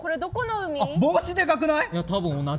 帽子でかくない？